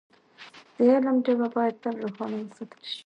د علم ډېوه باید تل روښانه وساتل شي.